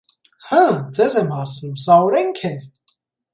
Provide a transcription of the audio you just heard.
Հը՞, ձեզ եմ հարցնում, սա օրենք է՞: